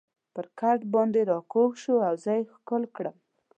پر کټ باندې را کږ شو او زه یې ښکل کړم.